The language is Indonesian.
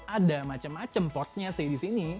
ada macam macam portnya sih di sini